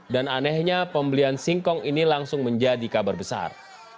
dan anehnya pembelian singkong ini langsung menjadi kabar besar